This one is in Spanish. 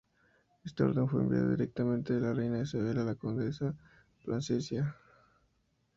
Ésta orden fue enviada directamente de la reina Isabel a la condesa de Plasencia.